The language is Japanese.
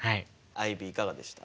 アイビーいかがでした？